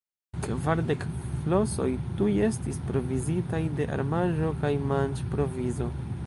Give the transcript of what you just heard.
Kvardek flosoj tuj estis provizitaj de armaĵo kaj manĝprovizo.